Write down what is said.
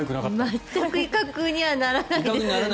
全く威嚇にはならないですよね。